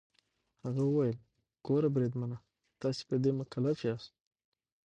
هغه وویل: ګوره بریدمنه، تاسي په دې مکلف یاست.